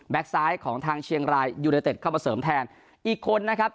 ซ้ายของทางเชียงรายยูเนเต็ดเข้ามาเสริมแทนอีกคนนะครับ